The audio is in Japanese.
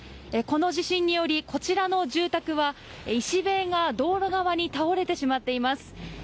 この地震により、こちらの住宅は石塀が道路側に倒れてしまっています。